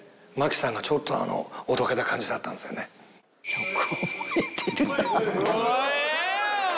「よく覚えてるな」